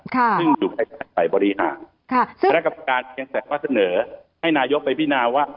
ครับซึ่งอยู่ใครไปบริหารซึ่งภาพกรรมการเครียงใสว่าเสนอให้นายกไปพินาว่า